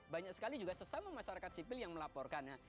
banyak sekali juga sesama masyarakat sipil yang melaporkannya